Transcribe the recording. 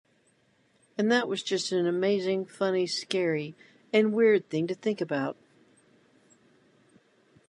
And that was just an amazing, funny, scary and weird thing to think about.